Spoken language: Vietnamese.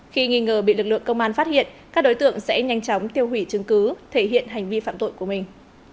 khi nghi ngờ bị lực lượng công an phát hiện các đối tượng sẽ nhanh chóng tiêu hủy chứng cứ thể hiện hành vi phạm tội của mình